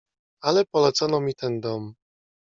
"Ale polecono mi ten dom."